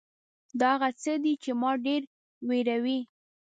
دا هغه څه دي چې ما ډېر وېروي .